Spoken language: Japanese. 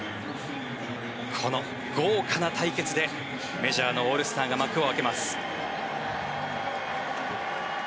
この豪華な対決でメジャーのオールスターが幕を開けます。